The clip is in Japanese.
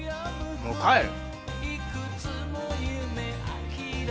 もう帰る。